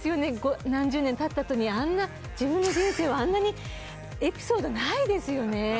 何十年経ったあとにあんな自分の人生をあんなにエピソードないですよね。